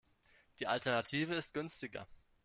Die Alternative ist günstiger.